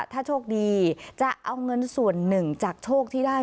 ถ้าโชคดีจะเอาเงินส่วนหนึ่งจากโชคที่ได้